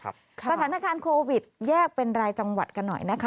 สถานการณ์โควิดแยกเป็นรายจังหวัดกันหน่อยนะคะ